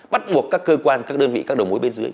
bắt buộc các cơ quan các đơn vị các đầu mối bên dưới